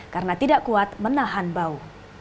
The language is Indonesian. karena tidak kuat menahan bau